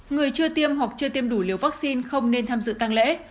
người chưa tiêm hoặc chưa tiêm đủ liều vaccine không nên tham dự tăng lễ